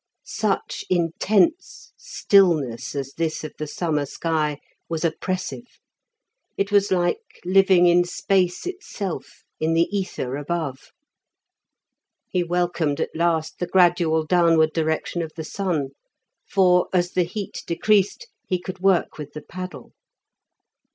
Such intense stillness as this of the summer sky was oppressive; it was like living in space itself, in the ether above. He welcomed at last the gradual downward direction of the sun, for, as the heat decreased, he could work with the paddle.